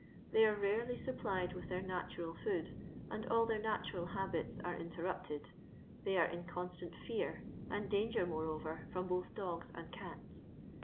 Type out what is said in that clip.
They are rarely supplied with their natural food, and all their natural habits are interrupted. They are in constant fear and dan ger, moreover, from both dogs and cats.